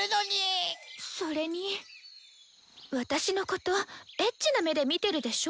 それに私のことエッチな目で見てるでしょ？